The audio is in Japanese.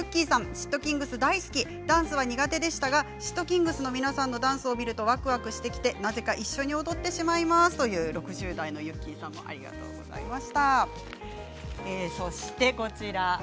シットキングス大好きダンスは苦手でしたがシットキングスの皆さんのダンスを見るとわくわくしてきてなぜか一緒に踊ってしまいますという６０代の方からもありがとうございます。